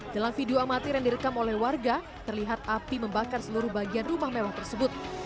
dalam video amatir yang direkam oleh warga terlihat api membakar seluruh bagian rumah mewah tersebut